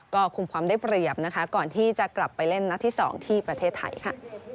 ก็คุมความได้เปรียบนะคะก่อนที่จะกลับไปเล่นนัดที่๒ที่ประเทศไทยค่ะ